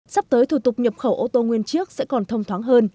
sắp tới thủ tục nhập khẩu ô tô nguyên chiếc sẽ còn thông thoáng hơn